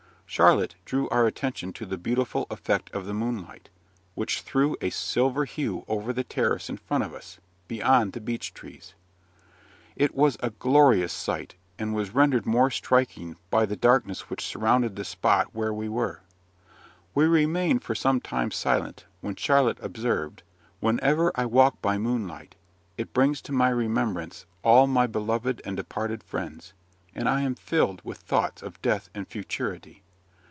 Charlotte drew our attention to the beautiful effect of the moonlight, which threw a silver hue over the terrace in front of us, beyond the beech trees. It was a glorious sight, and was rendered more striking by the darkness which surrounded the spot where we were. We remained for some time silent, when Charlotte observed, "Whenever I walk by moonlight, it brings to my remembrance all my beloved and departed friends, and I am filled with thoughts of death and futurity.